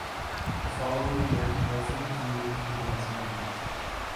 The following year, Wilson moved to Los Angeles.